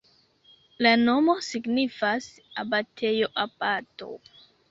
La nomo signifas: abatejo-abato.